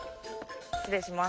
失礼します。